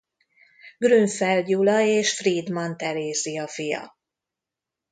Grünfeld Gyula és Friedmann Terézia fia.